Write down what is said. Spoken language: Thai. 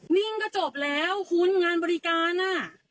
นิ่งก็จบแล้วคุณงานบริการอ่ะ